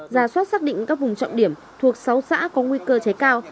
ra soát xác định các vùng trọng điểm thuộc sáu xã có nguy cơ cháy cao